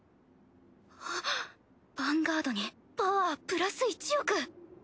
ああっヴァンガードにパワープラス１億。